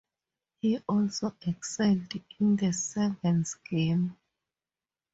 He also excelled in the Sevens game.